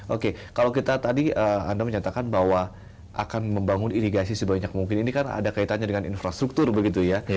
oke kalau kita tadi anda menyatakan bahwa akan membangun irigasi sebanyak mungkin ini kan ada kaitannya dengan infrastruktur begitu ya